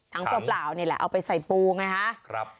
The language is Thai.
ถังตัวเปล่านี่แหละเอาไปใส่ปูไงฮะครับ